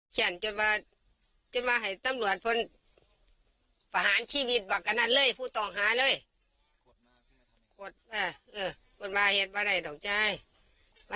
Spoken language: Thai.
ขอตามดูที่คุณย่อนไปกับคุณลุงฉุกน้ำที่เต็มไม่ได้ค่ะ